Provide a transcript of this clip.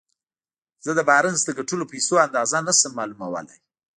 زه د بارنس د ګټلو پيسو اندازه نه شم معلومولای.